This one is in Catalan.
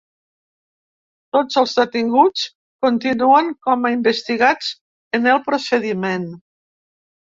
Tots els detinguts continuen com a investigats en el procediment.